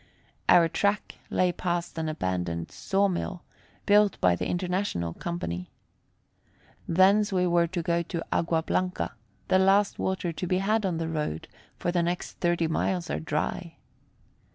Our track lay past an abandoned saw mill, built by the International Company. Thence we were to go to Agua Blanca, the last water to be had on the road; for the next thirty miles are dry.